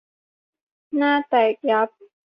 หน้าแตกยับ !